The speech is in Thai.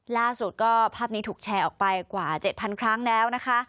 ล่าสุดก็ภาพนี้ถูกแชร์ออกไปกว่า๗๐๐ครั้งแล้วนะคะ